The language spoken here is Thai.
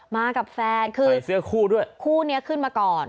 มากับแฟนคือคู่นี้ขึ้นมาก่อน